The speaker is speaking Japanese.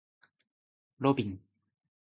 ロビン